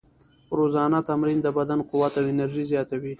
روزانه تمرین د بدن قوت او انرژي زیاتوي.